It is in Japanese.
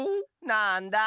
なんだ。